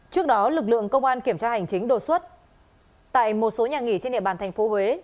trước đó lực lượng công an kiểm tra hành chính đột xuất tại một số nhà nghỉ trên địa bàn tp huế